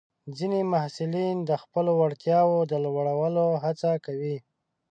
ځینې محصلین د خپلو وړتیاوو د لوړولو هڅه کوي.